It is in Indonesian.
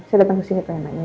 saya datang ke sini pak enak